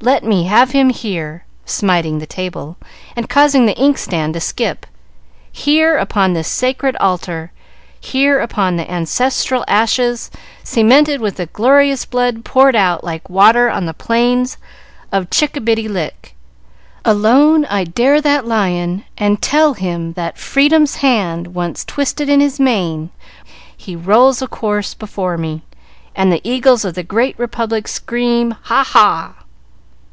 Let me have him here!" smiting the table, and causing the inkstand to skip "here, upon this sacred altar! Here, upon the ancestral ashes cemented with the glorious blood poured out like water on the plains of Chickabiddy Lick. Alone I dare that Lion, and tell him that Freedom's hand once twisted in his mane, he rolls a corse before me, and the Eagles of the Great Republic scream, Ha, ha!"